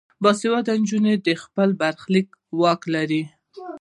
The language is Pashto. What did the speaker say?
باسواده نجونې د خپل برخلیک واک لري.